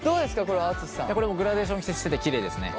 これもグラデーションしててきれいですね。